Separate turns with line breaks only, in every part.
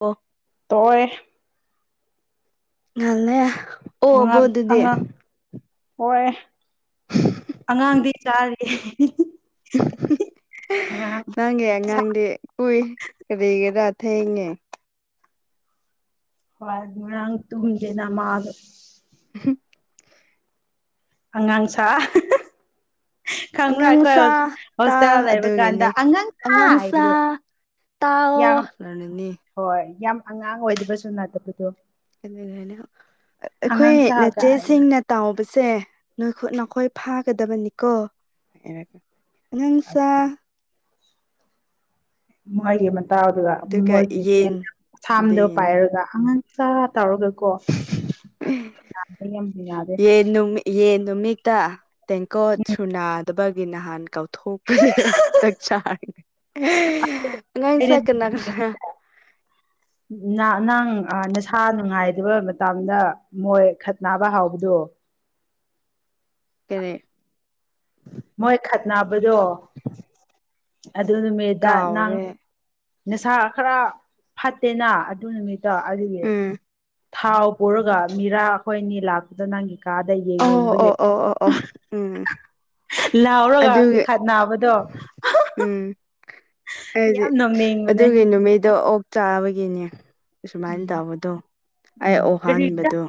ꯑꯣ
ꯇꯣꯑꯣꯍꯦ
ꯑꯟꯏꯟꯇꯦꯜꯂꯤꯖꯦꯕꯜ
ꯑꯉꯥꯡ ꯑꯉꯥꯡ ꯍꯣꯏ ꯑꯉꯥꯡꯗꯤ ꯆꯥꯔꯒꯦ
ꯅꯪꯒꯤ ꯑꯉꯥꯡꯗꯤ ꯀꯣꯏ ꯀꯔꯤꯒꯤꯔꯥ ꯊꯦꯡꯉꯦ
ꯍꯣꯏ ꯉꯔꯥꯡ ꯇꯨꯝꯗꯦꯅ ꯃꯥꯁꯨ
ꯍꯝ
ꯑꯉꯥꯡ ꯁꯥ ꯑꯍꯍ ꯈꯪꯕ꯭ꯔꯥ ꯑꯩꯈꯣꯏ
ꯑꯉꯥꯡꯁꯥ
ꯍꯣꯁ
ꯇꯥꯎ
ꯍꯣꯁꯇꯦꯜ ꯂꯩꯕ ꯀꯥꯟꯗ
ꯑꯗꯨꯒꯤꯅꯤ
ꯑꯉꯥꯡꯁꯥ ꯍꯥꯏꯕꯗꯣ
ꯇꯥꯑꯣ
ꯌꯥꯝ
ꯂꯅꯤꯅꯤ
ꯍꯣꯏ ꯌꯥꯝ ꯑꯉꯥꯡ ꯑꯣꯏꯗꯕꯁꯨ ꯅꯠꯇꯕꯗꯣ
ꯑꯩꯈꯣꯏ
ꯑꯉꯥꯡ ꯁꯥ ꯀꯥꯏꯅ
ꯅꯆꯦꯁꯤꯡꯅ ꯇꯥꯎꯕꯁ ꯁꯦ ꯅꯣꯏꯈꯨꯠ ꯅꯈꯣꯏ ꯐꯥꯒꯗꯕꯅꯤꯀꯣ ꯍꯥꯏꯔꯒ ꯑꯉꯥꯡꯁꯥ
ꯃꯣꯏꯒꯤ ꯃꯇꯥꯎꯗꯨꯒ
ꯑꯗꯨꯒ
ꯃꯣꯏꯒꯤ
ꯌꯦꯟ
ꯑꯁꯥꯝꯗꯣ
ꯑꯗꯨꯒꯤꯅꯤ
ꯄꯥꯏꯔꯒ ꯑꯉꯥꯡ ꯁꯥ ꯇꯧꯔꯒ ꯀꯣ ꯌꯥ ꯌꯥꯝꯗꯤ ꯌꯥꯗꯦ
ꯌꯦꯟ ꯅꯨꯃꯤꯠ ꯌꯦꯟ ꯅꯨꯃꯤꯠꯇ ꯇꯦꯡꯀꯣꯠ
ꯎꯝ
ꯁꯨꯅꯥꯗꯕꯒꯤ ꯅꯍꯥꯟ ꯀꯧ ꯊꯣꯛꯄꯁꯦ ꯆꯥꯛ ꯆ ꯑꯉꯥꯡꯁꯥ ꯀꯅꯥ ꯀꯅꯥ
ꯑꯩꯅ
ꯑꯟꯑꯣꯗꯤꯕꯜ
ꯅ ꯅꯪ ꯅꯁꯥ ꯅꯨꯡꯉꯥꯏ ꯇꯕ ꯃꯇꯝꯗ ꯃꯣꯏ ꯈꯠꯅꯥꯕ ꯍꯧꯕꯗꯨ
ꯀꯦꯔꯦ
ꯃꯣꯏ ꯈꯠꯅꯕꯗꯣ ꯑꯗꯨ ꯅꯨꯃꯤꯗ ꯅꯪ
ꯀꯥꯎꯔꯦ
ꯅꯁꯥ ꯈꯔ ꯐꯠꯇꯦꯅ ꯑꯗꯨ ꯅꯨꯃꯤꯠꯇꯣ ꯑꯗꯨꯒꯤ
ꯎꯝ
ꯊꯥꯎ ꯄꯨꯔꯒ ꯃꯤꯔꯥ ꯑꯩꯈꯣꯏ ꯅꯤ ꯂꯥꯛꯄꯗ ꯅꯪꯒꯤ ꯀꯥꯗ ꯌꯦꯡ
ꯑꯣ
ꯌꯦꯡꯕꯒꯤ
ꯑꯣ ꯑꯣ ꯑꯣ ꯑꯣ ꯎꯝ
ꯂꯥꯎꯔꯒ
ꯑꯗꯨꯒꯤ
ꯈꯠꯅꯥꯕꯗꯣ
ꯍꯥꯏꯗꯤ ꯑꯗꯨꯒꯤ ꯅꯨꯃꯤꯠꯇꯣ ꯑꯣꯛ ꯆꯥꯕꯒꯤꯅꯦ ꯑꯁꯨꯃꯥꯏꯅ ꯇꯧꯕꯗꯣ ꯑꯩ
ꯎꯝ
ꯑꯣꯛ
ꯀꯔꯤ
ꯍꯥꯟꯕꯗꯣ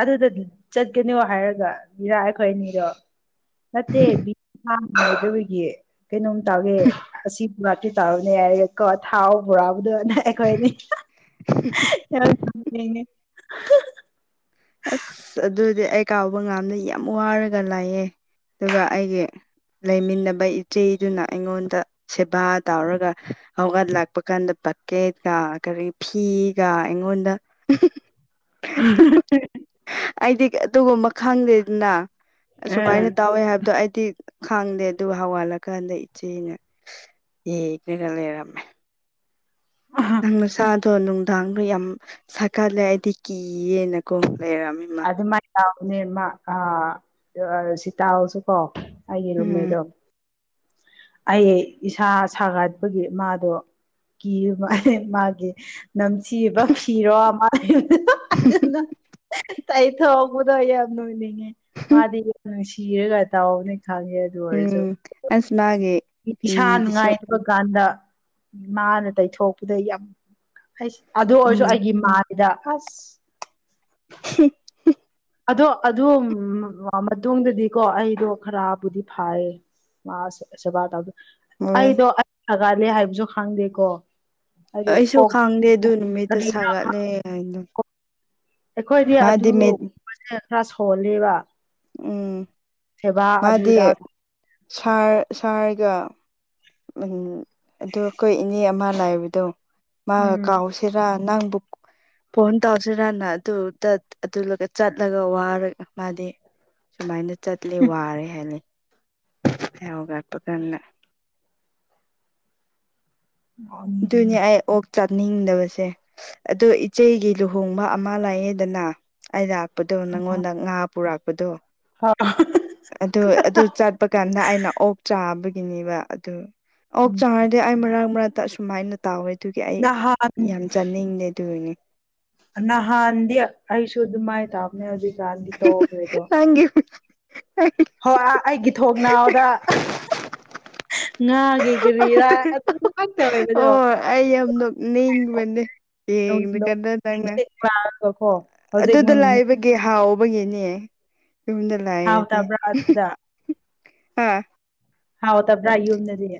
ꯑꯗꯨꯗ ꯆꯠꯀꯅꯣ ꯍꯥꯏꯔꯒ ꯃꯤꯔꯥ ꯑꯩꯈꯣꯏ ꯅꯠꯇꯦ ꯅꯨꯡꯉꯥꯏꯗꯕꯒꯤ ꯀꯩꯅꯣꯝ ꯇꯧꯒꯦ ꯑꯁꯤ ꯒꯥꯇꯤ ꯇꯥꯔꯨꯅꯦ ꯌꯥꯔꯀꯣ ꯊꯥꯎ ꯕꯣꯔꯥꯕꯨꯗꯅꯦ ꯑꯩꯈꯣꯏꯅꯤ ꯑꯟꯏꯟꯇꯦꯜꯂꯤꯖꯦꯕꯜ
ꯑꯁ ꯑꯗꯨꯗꯤ ꯑꯩ ꯀꯥꯎꯕ ꯉꯥꯝꯅ ꯌꯥꯝ ꯋꯥꯔꯒ ꯂꯥꯏꯌꯦ ꯗꯨꯒ ꯑꯩꯒꯤ ꯂꯩꯃꯤꯟꯅꯕ ꯏꯆꯦꯗꯨꯅ ꯑꯩꯉꯣꯟꯗ ꯁꯦꯕꯥ ꯇꯧꯔꯒ ꯍꯧꯒꯠꯂꯛꯄ ꯀꯥꯟꯗ ꯕꯛꯀꯦꯠꯀ ꯀꯔꯤ ꯐꯤꯒ ꯑꯩꯉꯣꯟꯗ
ꯑꯟꯏꯟꯇꯦꯜꯂꯤꯖꯦꯕꯜ
ꯑꯩꯗꯤ ꯑꯗꯨꯒꯨꯝꯕ ꯈꯪꯗꯦꯗꯅ
ꯎꯝ
ꯑꯁꯨꯃꯥꯏꯅ ꯇꯧꯋꯦ ꯍꯥꯏꯕꯗꯣ ꯑꯩ ꯇꯤ ꯈꯥꯡꯗꯦ ꯑꯗꯨ ꯍꯋꯥꯠꯂꯀꯥꯟꯗ ꯏꯆꯦꯅꯦ ꯑꯦ ꯏꯔ ꯂꯩꯔꯝꯃꯦ ꯅꯪ ꯅꯁꯥꯗꯣ ꯅꯨꯡꯗꯥꯡꯗꯣ ꯌꯥꯝ ꯁꯥꯒꯠꯂꯦ ꯑꯩꯗꯤ ꯀꯤꯌꯦꯅꯀꯣ ꯂꯩꯔꯝꯃꯤ ꯃꯥ
ꯑꯗꯨꯃꯥꯏꯅ ꯇꯧꯅꯦ ꯃꯥ ꯁꯤ ꯇꯁꯨꯀꯣ ꯑꯩꯒꯤ ꯔꯨꯝꯃꯇꯦ
ꯍꯤ
ꯑꯩ ꯏꯁꯥ ꯁꯥꯒꯠꯄꯒꯤ ꯃꯥꯗꯣ ꯀꯤꯌꯦ ꯃꯥ ꯃꯥꯒꯤ ꯅꯝꯁꯤꯕ ꯐꯔꯣ ꯃꯥꯜꯂꯤꯅ ꯑꯩ ꯊꯧꯕꯗꯣ ꯌꯥꯝ ꯅꯤꯛꯅꯤꯡꯉꯦ ꯃꯥꯗꯤ ꯌꯥꯝ ꯅꯨꯡꯁꯤꯔꯒ ꯇꯥꯎꯅꯤ ꯈꯪꯉꯦ ꯑꯗꯨ ꯑꯣꯏꯔꯁꯨ
ꯎꯝ ꯑꯁ ꯃꯥꯒꯤ
ꯏꯁꯥ
ꯐꯤꯗꯨꯁꯨ
ꯅꯨꯡꯉꯥꯏꯇꯕ ꯀꯥꯟꯗ ꯃꯥꯅ ꯇꯩꯊꯣꯛꯄꯗ ꯌꯥꯝꯁ ꯑꯗꯨ ꯑꯣꯏꯔꯁꯨ
ꯎꯝ
ꯑꯩꯒꯤ ꯃꯥꯏ ꯏꯗ ꯑꯁ
ꯍꯤ
ꯑꯗꯣ ꯑꯗꯨꯝ ꯃꯇꯨꯡꯗꯗꯤꯀꯣ ꯑꯩꯗꯣ ꯈꯔꯕꯨꯗꯤ ꯐꯥꯏꯌꯦ ꯃꯥ ꯁꯦꯕꯥ ꯇꯧꯗ
ꯍꯣꯏ
ꯑꯩꯗꯣ ꯑꯩ ꯁꯥꯒꯠꯂꯦ ꯍꯥꯏꯕꯁꯨ ꯈꯪꯗꯦꯀꯣ ꯑꯩꯗꯣ
ꯑꯩꯁꯨ
ꯀꯣꯛ
ꯈꯪꯗꯦ ꯑꯗꯨ ꯅꯨꯃꯤꯠꯇ
ꯀꯔꯤꯔ
ꯁꯥꯒꯠꯂꯦ ꯍꯥꯏꯅ
ꯑꯩꯈꯣꯏꯗꯤ ꯑꯗꯨꯕꯁꯦ ꯈꯔ ꯁꯣꯜꯂꯤꯕ
ꯎꯝ ꯃꯥꯗꯤ
ꯑꯗꯨꯗ
ꯁꯥꯔ ꯁꯥꯔꯒ ꯎꯝ ꯑꯗꯨ ꯑꯩꯈꯣꯏ ꯏꯅꯦ ꯑꯃ ꯂꯩꯕꯗꯣ ꯃꯥꯒ
ꯎꯝ
ꯀꯥꯎꯁꯤꯔꯥ ꯅꯪ ꯄꯨꯛ ꯐꯣꯟ ꯇꯧꯁꯤꯔꯅ ꯑꯗꯨ ꯆꯠꯂꯒ ꯋꯥꯔ ꯃꯥꯗꯤ ꯁꯨꯃꯥꯏꯅ ꯆꯠꯂꯦ ꯋꯥꯔꯦ ꯍꯥꯏꯌꯦ ꯌꯥꯒꯄꯟꯅ
ꯎꯝ
ꯑꯗꯨꯅꯦ ꯑꯣ ꯑꯣꯛ ꯆꯠ ꯆꯅꯤꯡꯗꯕꯁꯦ ꯑꯗꯣ ꯏꯆꯦꯒꯤ ꯂꯨꯍꯣꯡꯕ ꯑꯃ ꯂꯩꯌꯦꯗꯅ ꯑꯩꯗꯥꯛ ꯄꯗꯣ ꯅꯪꯉꯣꯟꯗ ꯉꯥ ꯄꯨꯔꯛꯄꯗꯣ ꯑꯗꯨ ꯑꯗꯨ ꯆꯠꯄ ꯀꯥꯟꯗ ꯑꯩꯅ ꯑꯣꯛ ꯆꯥꯕꯒꯤꯅꯦꯕ ꯑꯗꯨ ꯑꯣꯛ ꯆꯥꯔꯗꯤ ꯑꯩ ꯃꯔꯛ ꯃꯔꯛꯇ ꯑꯁꯨꯃꯥꯏꯅ ꯇꯥꯎꯋꯦ ꯑꯗꯨꯒꯤ ꯑꯩ
ꯅꯍꯥꯟ
ꯌꯥꯝ ꯆꯥꯅꯤꯡꯗꯦ ꯑꯗꯨꯒꯤꯅꯦ
ꯅꯍꯥꯟꯗꯤ ꯑꯩꯁꯨ ꯑꯗꯨꯃꯥꯏ ꯇꯥꯕꯅꯦ ꯍꯧꯖꯤꯛ ꯀꯥꯟꯒꯤ ꯇꯧꯈꯔ꯭ꯦꯗꯣ
ꯅꯪꯒꯤ
ꯍꯣꯏ ꯑꯩꯒꯤ ꯊꯣꯡ ꯅꯥꯎꯗ ꯉꯥꯒꯤ ꯀꯔꯤꯔꯥ ꯑꯗꯨ ꯉꯥꯛꯇ ꯑꯣꯏꯕꯗꯣ
ꯑꯣ ꯑꯩ ꯌꯥꯝ ꯅꯣꯛꯅꯤꯡꯕꯅꯦ ꯌꯦꯡꯕꯥ ꯀꯟꯗ ꯅꯪꯅ
ꯀꯣ ꯍꯧꯖꯤꯛ
ꯑꯗꯨꯗꯣ
ꯃꯨꯟ
ꯂꯩꯕꯒꯤ ꯍꯥꯎ ꯍꯥꯎꯕꯒꯤꯅꯦ ꯌꯨꯝꯗ ꯂꯥꯏꯔꯗꯤ
ꯍꯥꯎꯇꯕ꯭ꯔꯥ ꯑꯗꯨꯗ
ꯍꯥ
ꯍꯥꯎ ꯇꯕ꯭ꯔꯥ ꯌꯨꯝꯗꯗꯤ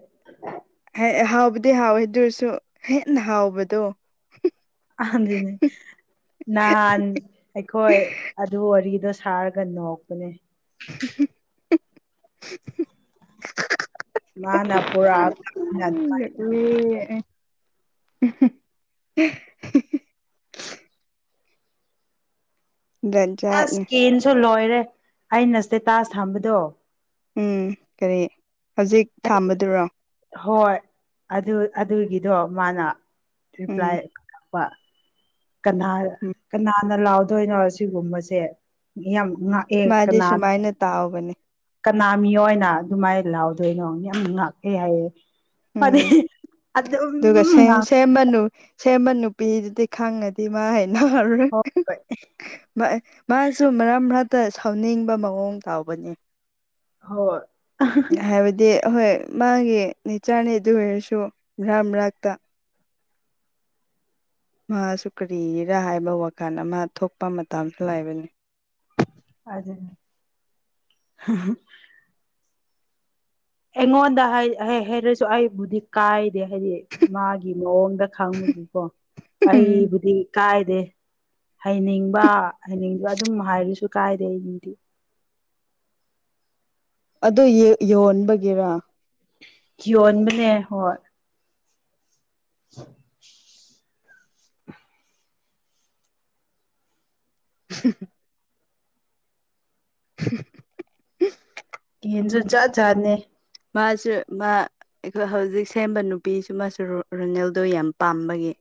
ꯍꯥꯎꯕꯗꯤ ꯍꯥꯎꯋꯦ ꯑꯗꯨꯁꯨ ꯍꯦꯟꯅ ꯍꯥꯎꯕꯗꯣ
ꯑꯗꯨꯅꯦ ꯅꯍꯥꯟ ꯑꯩꯈꯣꯏ ꯑꯗꯨ ꯋꯔꯤꯗꯣ ꯁꯥꯔꯒ ꯅꯣꯛ ꯄꯅꯦ
[unintelligible]
ꯃꯥꯅ ꯄꯨꯔꯛꯑꯒ ꯑꯩꯅ ꯑꯗꯨꯃꯥꯏꯅ
[unintelligible] ꯍꯦꯍꯤꯍꯦ ꯖꯥꯠꯅꯤ
ꯑꯁ ꯀꯦꯟꯁꯨ ꯂꯣꯏꯔꯦ ꯑꯩꯅ ꯁꯇꯦꯇꯥꯖ ꯊꯝꯕꯗꯣ
ꯎꯝ ꯀꯔꯤ ꯍꯧꯖꯤꯛ
ꯑꯩ
ꯊꯥꯝꯕꯗꯨꯔꯣ
ꯍꯣꯏ ꯑꯗꯨ ꯑꯗꯨꯒꯤꯗꯣ ꯃꯥꯅ
ꯎꯝ
ꯔꯤꯄ꯭ꯂꯥꯏ ꯀꯛꯄ ꯀꯅꯥ ꯀꯅꯥꯅ ꯂꯥꯎꯗꯣꯏꯅꯣ ꯁꯤꯒꯨꯝꯕꯁꯦ ꯌꯥꯝꯌꯥꯝ
ꯃꯥꯗꯤ ꯁꯨꯃꯥꯏꯅ ꯇꯥꯎꯕꯅꯦ
ꯀꯅꯥ ꯃꯤꯑꯣꯏꯅ ꯑꯗꯨꯃꯥꯏꯅ ꯂꯥꯎꯗꯣꯏꯅꯣ ꯌꯥꯝ ꯉꯥꯛꯑ ꯍꯥꯏꯌꯦ ꯐ
ꯎꯝ ꯑꯗꯨꯒ ꯁꯦꯝ ꯁꯦꯝꯃ ꯁꯦꯝꯕꯥ ꯅꯨꯄꯤꯗꯨꯗꯤ ꯈꯪꯉꯗꯤ ꯃꯥ ꯍꯦꯛ
ꯍꯣꯏ
ꯃꯥꯁꯨ ꯃꯔꯛ ꯃꯔꯛ ꯇ ꯁꯥꯎꯅꯤꯡꯕ ꯃꯑꯣꯡ ꯇꯥꯎꯕꯅꯦ
ꯍꯣꯏ
ꯑꯍꯣꯏ ꯃꯥꯒꯤ ꯅꯅꯤꯆꯥꯅꯦ ꯑꯗꯨ ꯑꯣꯏꯔꯁꯨ ꯚ꯭ꯔꯥ ꯃꯔꯥꯛꯛꯇ ꯃꯥꯁꯨ ꯀꯔꯤꯔꯥ ꯍꯥꯏꯕ ꯋꯥꯈꯜ ꯑꯃ ꯊꯣꯛꯄ ꯃꯇꯝꯁꯨ ꯂꯩꯕꯅꯤ
ꯑ ꯑꯩꯉꯣꯟꯗ ꯍꯥꯏ ꯍꯥꯏꯔꯁꯨ ꯑꯩꯕꯨꯗꯤ ꯀꯥꯏ ꯍꯥꯏꯗꯤ ꯃꯥꯒꯤ ꯃꯑꯣꯡꯗ ꯈꯪꯕꯨꯒꯤꯀꯣ ꯑꯩꯕꯨꯗꯤ ꯀꯥꯏ ꯍꯩꯅꯤꯡꯕ ꯍꯩꯅꯤꯡꯕꯕ ꯑꯗꯨꯝ ꯍꯥꯏꯔꯁꯨ ꯀꯥꯏꯔꯦ ꯑꯗꯤ
[unintelligible] ꯑꯗꯨ ꯌꯣꯟꯕꯒꯤꯔ
ꯌꯣꯟꯕꯅꯦ ꯍꯣꯏ [unintelligible]
[unintelligible] [unintelligible]
ꯌꯦꯟꯁꯨ ꯆꯥꯠ ꯆꯥꯠꯅꯦ
ꯃꯥꯁꯨ ꯃꯥ ꯑꯩꯈꯣꯏ ꯍꯧꯖꯤꯛ ꯁꯦꯝꯕ ꯅꯨꯄꯤꯁꯨ ꯃꯥꯁꯨ ꯔꯨꯅꯦꯜꯗꯣ ꯌꯥꯝ ꯄꯥꯝꯕꯒꯤ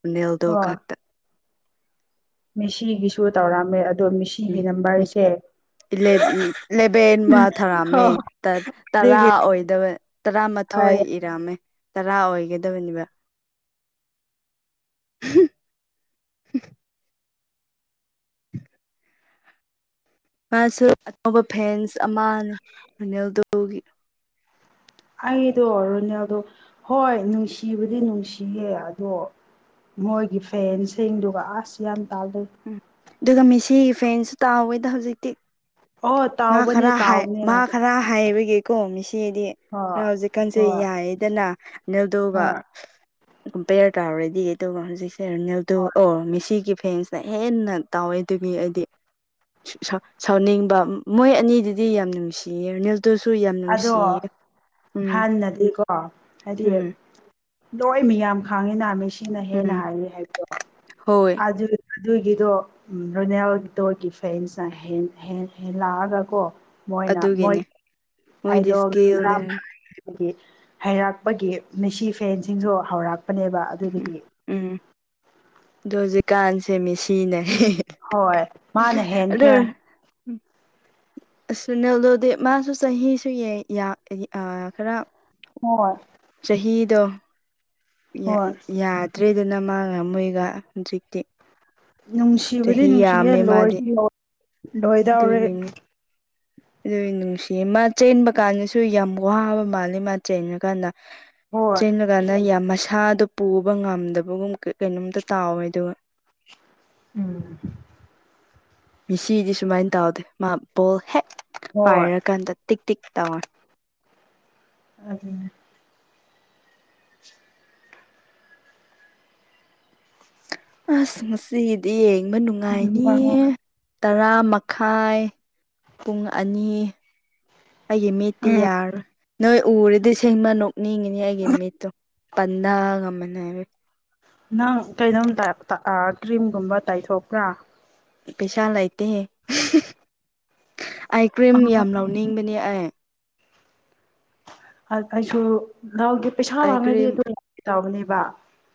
ꯅꯅꯤꯦꯜꯗꯣ ꯈꯛꯇ
ꯃꯤꯦꯁꯤꯒꯤꯁꯨ ꯇꯧꯔꯝꯑꯝꯃꯦ ꯑꯗꯣ
ꯃꯤ
ꯃꯤꯦꯁꯤꯒꯤ
ꯃꯤ
ꯅꯝꯕꯔꯁꯦ
ꯏꯂꯦꯚꯦꯟ ꯑꯃ ꯊꯥꯔꯝꯃꯦ ꯇꯔꯥ
ꯑꯗꯒꯤ
ꯑꯣꯏꯗꯕ ꯇꯔꯥ ꯑꯊꯣꯏ ꯏꯔꯝꯃꯦ ꯇꯔꯥ ꯑꯣꯏꯒꯗꯕꯅꯦꯕ [unintelligible] ꯃꯥꯁꯨ ꯑꯅꯧꯕ ꯐꯦꯟꯁ ꯑꯃꯅꯤꯅꯤꯜꯗꯨꯒꯤ
ꯑꯩꯗꯣ ꯔꯣꯅꯦꯜꯗꯣ ꯍꯣꯏ ꯅꯨꯡꯁꯤꯕꯗꯤ ꯅꯨꯡꯁꯤꯌꯦ ꯑꯗꯣ ꯃꯣꯏꯒꯤ ꯐꯦꯟꯁꯤꯡꯗꯨꯒ ꯑꯁ ꯌꯥꯝ ꯇꯥꯜꯂꯩ
ꯎꯝ ꯑꯗꯨꯒ ꯃꯤꯦꯁꯤꯒꯤ ꯐꯦꯟꯁꯨ ꯇꯥꯎꯋꯦꯗ ꯍꯧꯖꯤꯛꯇꯤ
ꯑꯣ
ꯃꯥ
ꯇꯥꯎꯕꯅꯦ
ꯈꯔ ꯍꯥꯏ
ꯇꯥꯎꯕꯅꯦ
ꯃꯥ ꯈꯔ ꯍꯥꯏꯕꯒꯤ ꯀꯣ ꯃꯤꯁꯤꯗꯤ ꯈꯔ
ꯍꯣꯏ
ꯍꯧꯖꯤꯛ ꯀꯟꯖꯩ
ꯍꯣꯏ
ꯌꯥꯌꯦꯗꯅ ꯑꯜꯗꯧꯕ
ꯍꯣꯏ
ꯀꯝꯄꯦꯌꯔ ꯇꯧꯔꯗꯤ ꯑꯗꯨꯒ ꯍꯧꯖꯤꯛꯁꯦ ꯔꯔꯅꯤꯜꯗꯨ
ꯍꯣꯏ
ꯑꯣ ꯃꯤꯦꯁꯤꯒꯤ ꯐꯦꯟꯁꯅ ꯍꯦꯟꯅ ꯇꯥꯎꯋꯦ ꯑꯗꯨꯒꯤ ꯑꯩꯗꯤ ꯁꯥꯎꯅꯤꯡꯕ ꯃꯣꯏ ꯑꯅꯤꯗꯨꯗꯤ ꯌꯥꯝ ꯅꯨꯡꯁꯤꯌꯦ ꯔꯨꯅꯤꯜ
ꯑꯗꯣ
ꯎꯝ
ꯍꯥꯟꯅꯗꯤꯀꯣ ꯍꯥꯏꯗꯤ
ꯎꯝ
ꯂꯣꯏ ꯃꯤꯌꯥꯝ ꯈꯥꯡꯉꯤ ꯍ ꯃꯤ ꯁꯤꯅ ꯍꯦꯟꯅ
ꯎꯝ
ꯍꯥꯏꯔꯤ ꯍꯥꯏꯕꯗꯣ
ꯍꯣꯏ
ꯑꯗꯨ ꯑꯗꯨꯒꯤꯗꯣ ꯔꯣꯅꯦꯜ ꯗꯣꯔꯀꯤ ꯐꯦꯟꯁꯅ ꯍꯦꯟꯂꯥꯛꯑꯒꯀꯣ ꯃꯣꯏꯅ ꯃꯣꯏ
ꯑꯗꯨꯒꯤꯅꯦ ꯃꯣꯏꯗꯤ
ꯑꯩꯗꯣ ꯈꯔ
ꯏꯁꯀꯤꯜꯅꯦ
ꯑꯗꯒꯤ ꯍꯩꯔꯥꯛꯄꯒꯤ ꯃꯤꯦꯁꯤ ꯐꯦꯟꯁꯤꯡꯁꯨ ꯍꯧꯔꯛꯄꯅꯦꯕ ꯑꯗꯨꯗꯒꯤ
ꯑꯗꯨꯣ ꯍꯧꯖꯤꯛꯀꯥꯟꯁꯦꯃꯤ ꯁꯤꯅꯦ
ꯍꯣꯏ ꯃꯥꯅ ꯍꯦꯟꯈ꯭ꯔꯦ
ꯎꯝ ꯁꯨꯅꯤꯜꯗꯣꯗꯤ ꯃꯥꯁꯨ ꯆꯍꯤꯁꯨ ꯈꯔ
ꯍꯣꯏ
ꯑꯗꯣ
ꯍꯣꯏ
ꯌꯥꯗ꯭ꯔꯦꯗꯅ ꯃꯥꯉ ꯃꯣꯏꯒ ꯍꯧꯖꯤꯛꯇꯤ
ꯅꯨꯡꯁꯤꯕꯨꯗꯤ
ꯆꯍꯤ
ꯅꯨꯡꯁꯤꯌꯦꯦ
ꯌꯥꯝꯃꯦ ꯃꯥꯗꯤ
ꯂꯣꯏꯔꯁꯨ ꯂ ꯂꯣꯏꯗꯥꯎꯔꯦ
ꯑꯗꯨ ꯅꯨꯡꯁꯤꯌꯦ ꯃꯥ ꯆꯦꯟꯕ ꯀꯥꯟꯗꯁꯨ ꯌꯥꯝ ꯋꯥꯕ ꯃꯥꯜꯂꯦ ꯃꯥ ꯆꯦꯟꯉꯀꯥꯟꯗ
ꯍꯣꯏ
ꯆꯦꯟꯕ ꯀꯥꯟꯗ ꯌꯥꯝ ꯃꯁ ꯁꯥꯗꯣ ꯄꯨꯕ ꯉꯝꯗꯕꯒꯨꯝ ꯀꯩꯅꯣꯝꯇ ꯇꯥꯎꯋꯦ ꯑꯗꯨꯒ
ꯎꯝ
ꯃꯤꯁꯤꯗꯤ ꯁꯨꯃꯥꯏꯅ ꯇꯧꯗꯦ ꯃꯥ ꯕꯣꯜ ꯍꯦꯛ
ꯍꯣꯏ
ꯄꯥꯏꯔꯀꯥꯟꯗ ꯇꯤꯛ ꯇ ꯇꯔ
ꯑꯗꯨꯅꯦ
ꯑꯁ ꯉꯁꯤꯗꯤ ꯌꯦꯡꯕ
ꯎꯝ
ꯅꯨꯡꯉꯥꯏꯅꯤ
ꯍꯣꯏ ꯍꯣꯏ
ꯇꯔꯥ ꯃꯈꯥꯏ ꯄꯨꯡ ꯑꯅꯤ ꯑꯩꯒꯤ ꯃꯤꯠꯇꯤ
ꯎꯝ
ꯌꯥꯔꯣꯏ ꯅꯣꯏ ꯎꯔꯗꯤ ꯁꯤꯡꯃ ꯅ ꯍꯦꯒ ꯏꯃꯤꯦꯣ ꯄꯟꯒ ꯃꯅꯦ
ꯅꯪ ꯀꯩꯅꯣꯝꯇ ꯀ꯭ꯔꯤꯝꯒꯨꯝꯕ ꯇꯥꯏꯊꯣꯛꯄ꯭ꯔꯥ
ꯄꯩꯁꯥ ꯂꯥꯏꯇꯍꯦ ꯑꯥꯏ ꯀ꯭ꯔꯤꯝ ꯌꯥꯝ ꯂꯧꯅꯤꯡꯕꯅꯦ ꯑꯦ
ꯑꯩꯁꯨ ꯂꯎꯗꯦ ꯄꯩꯁꯥ
ꯑꯥꯏ
ꯃꯥꯡꯅꯔꯤ
ꯀ꯭ꯔꯤꯝ
ꯑꯗꯨ ꯂꯧ ꯇꯕꯅꯦꯕ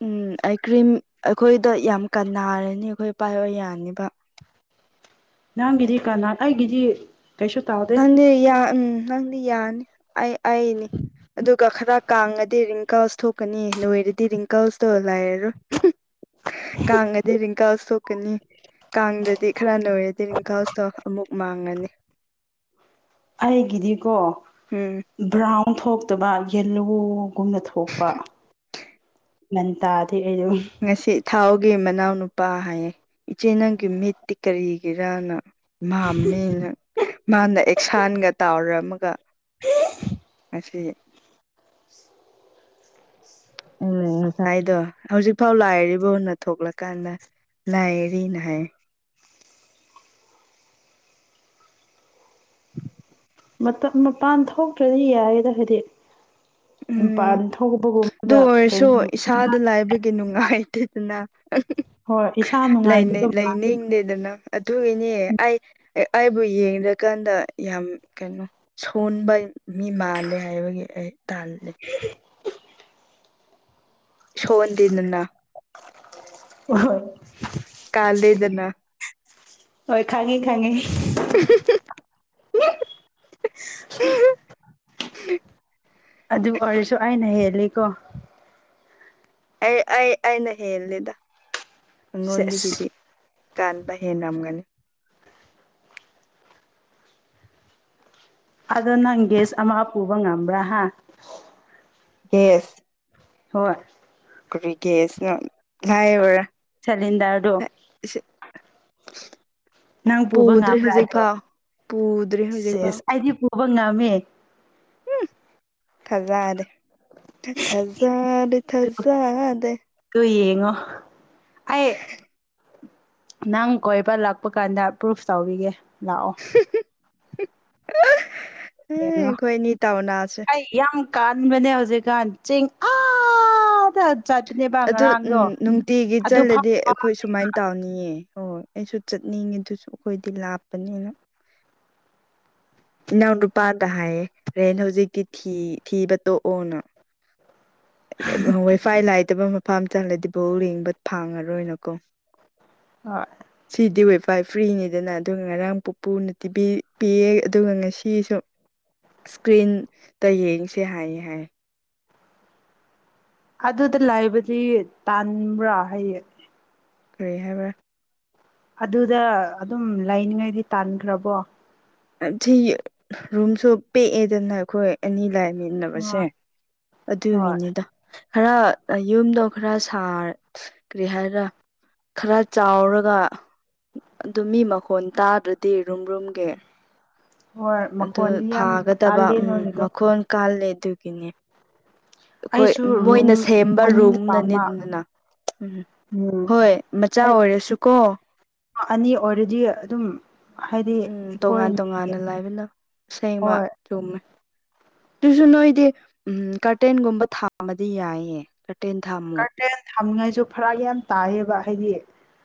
ꯎꯝ ꯑꯩ ꯀ꯭ꯔꯤꯝ ꯑꯩꯈꯣꯏꯗ ꯌꯥꯝ ꯀꯟꯅꯔꯅꯤ ꯑꯩꯈꯣꯏ ꯄꯥꯏꯕ ꯌꯥꯅꯤꯕ [unintelligible]
ꯅꯪꯒꯤꯗꯤ ꯀꯅꯥ ꯑꯩꯒꯤꯗꯤ ꯀꯩꯁꯨ ꯇꯧꯗꯦ
ꯅꯪꯗꯤ ꯎꯝ ꯅꯪꯗꯤ ꯌꯥꯅꯤ ꯑꯩ ꯑꯩꯅꯤ ꯑꯗꯨꯒ ꯈꯔ ꯀꯥꯡꯉꯗꯤ ꯔꯤꯡꯀꯜꯁ ꯊꯣꯛꯀꯅꯤ ꯅꯣꯏꯔꯗꯤ ꯔꯤꯡꯀꯜꯁꯇꯣ ꯂꯥꯏꯔꯔꯣꯏ ꯀ ꯉꯗꯔꯤ ꯏꯪ ꯀꯁꯣ ꯅꯤ ꯀꯥꯡꯗ꯭ꯔꯗꯤ ꯈꯔ ꯅꯣꯏꯔꯦꯗꯤ ꯔꯤꯀꯥꯁꯇꯣ ꯑꯃꯨꯛ ꯃꯥꯡꯉꯅꯤ
ꯑꯩꯒꯤꯗꯤꯀꯣ
ꯎꯝ
ꯕ꯭ꯔꯥꯎꯟ ꯄꯥꯡꯊꯣꯛꯇꯕ ꯌꯦꯜꯂꯨꯒꯨꯝꯅ ꯊꯣꯛꯄ ꯃꯟꯇꯥ ꯑꯩꯗ
ꯉꯁꯤ ꯊꯥꯎꯒꯤ ꯃꯅꯥꯎꯅꯨꯄꯥ ꯍꯥꯏꯌꯦ ꯏꯆꯦ ꯅꯪꯒꯤ ꯃꯤꯠꯇꯤ ꯀꯔꯤꯒꯤꯔꯅ ꯃꯥꯝꯃꯤꯅ ꯃꯥꯅ ꯑꯦꯛꯁꯥꯟꯒ ꯇꯥꯎꯔꯝ ꯑꯃꯒ
ꯍ
ꯑꯁ ꯎꯝ ꯉꯁꯥꯏꯗꯣ ꯍꯧꯖꯤꯛꯐꯥꯎ ꯂꯥꯏꯔꯤꯕ ꯍꯨꯟꯅ ꯊꯣꯛꯂꯀꯥꯟꯗ ꯂꯥꯏꯔꯤꯅꯏ
ꯃꯄꯥꯟ ꯊꯣꯛꯇ꯭ꯔꯗꯤ ꯌꯥꯔꯤꯦꯗ ꯍꯥꯏꯗꯤ
ꯎꯝ
ꯃꯄꯥꯟ
ꯑꯗꯨ
ꯊꯣꯛꯄꯒꯨꯝꯕꯗ
ꯑꯣꯏꯔꯁꯨ
ꯀꯩꯅꯣ
ꯏꯁꯥꯗ ꯂꯥꯏꯕꯒꯤ ꯅꯨꯡꯉꯥꯏꯇꯦꯗꯅ
ꯍꯣꯏ ꯏꯁꯥ ꯅꯨꯡꯉꯥꯏꯇꯕ
ꯂꯩꯅꯤꯡꯗꯦꯗꯅ ꯑꯗꯨꯒꯤꯅꯦ ꯑꯩ ꯑꯩꯕꯨ ꯌꯦꯡꯗ꯭ꯔꯀꯥꯟꯗ ꯌꯥꯝ ꯀꯩꯅꯣ ꯁꯣꯟꯕ ꯃꯤ ꯃꯥꯜꯂꯦ ꯍꯥꯏꯕꯒꯤ ꯑꯩ ꯇꯜꯂꯦ ꯁꯣꯗꯤꯅ
ꯍꯣꯏ
ꯀꯂꯂꯦꯗꯅ
ꯍꯣꯏ ꯈꯪꯉꯤ ꯈꯥꯡꯉꯤ
[unintelligible]
ꯍ
ꯎ
ꯑꯗꯨ ꯑꯣꯏꯔꯁꯨ ꯑꯩꯅ ꯍꯦꯜꯂꯤꯀꯣ
ꯑꯩ ꯑꯩ ꯑꯩꯅ ꯍꯦꯜꯂꯦꯗ ꯑꯩꯉꯣꯟꯗꯒꯤꯗꯤ
ꯁꯦꯁ
ꯀꯥꯟꯕ ꯍꯅꯝꯒꯅꯤ
ꯑꯗꯣ ꯅꯪ ꯒꯦꯁ ꯑꯃ ꯄꯨꯕ ꯉꯝꯕ꯭ꯔꯥ ꯍꯥ
ꯌꯦꯦꯁ
ꯍꯣꯏꯣꯏ
꯭ꯔꯤꯒꯦꯁꯅ ꯂꯥꯏꯔꯔꯥ
ꯁꯤꯂꯤꯟꯗꯔꯗꯨ
[unintelligible]
ꯅꯪ ꯄꯨꯕ
ꯄꯨꯗ꯭ꯔꯦ
ꯉꯝꯕ꯭ꯔꯥ ꯑꯗꯣ
ꯍꯧꯖꯤꯛꯀꯥꯎ ꯄꯨꯗ꯭ꯔꯦ ꯍꯧꯖꯤꯛꯐꯥꯎ
ꯑꯕ ꯉꯃꯤ
ꯊꯖꯥꯗꯦ ꯊꯖꯥꯗꯦ ꯊꯖꯥꯗꯦ
ꯉꯣ ꯑ ꯅꯪ ꯀꯣꯏꯕ ꯂꯥꯛꯄ ꯀꯥꯟꯗ ꯄ꯭ꯔꯨꯐ ꯇꯧꯔꯤꯒꯦ
ꯍ ꯈꯣꯏꯅꯤ ꯇꯑꯣꯅ ꯑꯁꯦ
ꯀꯥꯟ ꯃꯅꯦ ꯍꯧꯖꯤꯛ ꯀꯥꯟ ꯆꯤꯡ ꯑ
ꯑꯗꯨ ꯅꯨꯡꯇꯤꯒꯤ
ꯐꯥꯎ
ꯆꯜꯂꯗꯤ ꯑꯩꯈꯣꯏ ꯁꯨꯃꯥꯏ ꯇꯥꯎꯅꯤꯌꯦ ꯍꯣꯏꯣꯏ ꯑꯩꯁꯨ ꯆꯠꯅꯤꯡꯉꯦ ꯑꯗꯨꯁꯨ ꯑꯩꯈꯣꯏꯗꯤ ꯂꯥꯞꯄꯅꯦꯅ ꯏꯅꯥꯎ ꯅꯨꯄꯥꯗ ꯍꯥꯏꯌꯦ ꯔꯦꯟ ꯍꯧꯖꯤꯛꯇꯤ ꯊꯤꯕ ꯇꯣꯛꯑꯣꯅ ꯋꯥꯏꯐꯥꯏ ꯂꯥꯏꯇꯕ ꯃꯐꯝ ꯑꯃ ꯆꯂꯗꯤ ꯕꯧ ꯂꯦꯡꯕ ꯐꯥꯡꯉꯔꯣꯏꯅꯀꯣ
ꯍꯣꯏ
ꯁꯤꯗꯤ ꯑꯣꯏ ꯎꯚꯥꯏ ꯐ꯭ꯔꯤꯅꯤꯗꯅ ꯑꯗꯨꯒ ꯉꯔꯥꯡ ꯄꯨꯄꯨꯅ ꯇꯤꯕꯤ ꯄꯤꯌꯦ ꯑꯗꯨꯒ ꯉꯁꯤꯁꯨ ꯏꯁꯀ꯭ꯔꯤꯟꯗ ꯌꯦꯡꯁꯦ ꯍꯥꯏꯌꯦ ꯍꯥꯏ
ꯑꯗꯨꯗ ꯂꯥꯏꯕꯗꯤ ꯇꯕ꯭ꯔꯥ ꯍꯌꯦꯌꯦꯡ
ꯀꯔꯤ ꯍꯥꯏꯕ꯭ꯔꯥ
ꯑꯗꯨꯗ ꯑꯗꯨꯝ ꯂꯩꯅꯤꯡꯉꯥꯏꯗꯤ ꯇꯥꯟꯈ꯭ꯔꯕꯣ
ꯁꯤ ꯔꯨꯝꯁꯨ ꯄꯦꯛꯑꯦꯗꯅ ꯑꯩꯈꯣꯏ ꯑꯅꯤ ꯂꯥꯏ ꯆꯃꯤꯟꯅꯕꯁꯦ
ꯍꯣꯏ ꯍꯣꯏ
ꯑꯗꯨꯒꯤꯅꯤꯗ ꯈꯔ ꯌꯨꯝꯗꯣ ꯈꯔ ꯁꯥꯔꯒꯦ ꯍꯥꯏꯔ ꯈꯔ ꯆꯥꯎꯔꯒ ꯑꯗꯨ ꯃꯤ ꯃꯈꯣꯟ ꯇꯥꯗ꯭ꯔꯗꯤ ꯔꯨꯝ ꯔꯨꯝꯒꯦ
ꯍꯣꯏ
ꯑꯗꯨ
ꯃꯈꯣꯟꯗꯤ ꯌꯥꯝ
ꯐꯥꯒꯗꯕ
ꯀꯥꯜꯂꯦ
ꯎꯝ
ꯅꯣꯏꯒꯤꯗꯣ
ꯃꯈꯣꯟ ꯀꯥꯜꯂꯦ ꯑꯗꯨꯒꯤꯅꯦ ꯑꯩꯈꯣꯏ
ꯑꯩꯁꯨ ꯔꯨꯝ
ꯃꯣꯏꯅ ꯁꯦꯝꯕ
ꯑꯅꯤ
ꯔꯨꯝꯅꯅꯤ
ꯄꯥꯝꯕ
ꯑꯗꯨꯗꯅ ꯎꯝ
ꯎꯝ
ꯍꯣꯏ ꯃꯆꯥ
ꯑꯩ
ꯑꯣꯏꯔꯁꯨꯀꯣ
ꯑꯅꯤ ꯑꯣꯜꯔꯦꯗꯤ ꯑꯗꯨꯝ ꯍꯥꯏꯗꯤ
ꯎꯝ
ꯑꯩꯈꯣꯏ
ꯇꯣꯉꯥꯟ
ꯃꯤ
ꯇꯣꯉꯥꯟꯅ ꯂꯥꯏꯕꯅ ꯁꯦꯡꯃ
ꯍꯣꯏ
ꯆꯨꯝꯃꯦ ꯑꯗꯨꯁꯨ ꯅꯣꯏꯗꯤ ꯎꯝ ꯀꯥꯔꯇꯦꯟꯒꯨꯝꯕ ꯊꯥꯃꯗꯤ ꯌꯥꯏꯌꯦ ꯇꯦꯟ ꯊꯥꯝꯃꯣ
ꯊꯝꯉꯥꯏꯁꯨ ꯐꯔꯥ ꯌꯥꯝ ꯇꯥꯏꯌꯦꯕ ꯍꯥꯏꯗꯤ